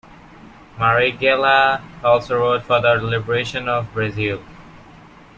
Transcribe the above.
Marighella also wrote "For the Liberation of Brazil".